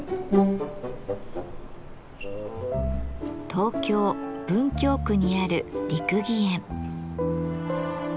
東京・文京区にある六義園。